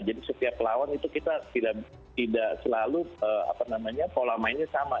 jadi setiap lawan itu kita tidak selalu pola mainnya sama